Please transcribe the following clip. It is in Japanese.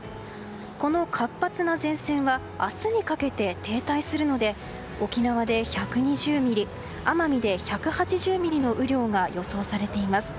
この活発な前線は明日にかけて停滞するので沖縄で１２０ミリ奄美で１８０ミリの雨量が予想されています。